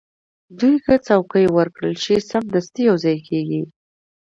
دوی که څوکۍ ورکړل شي، سمدستي یو ځای کېږي.